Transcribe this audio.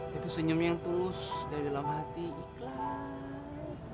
tapi senyum yang tulus dari dalam hati ikhlas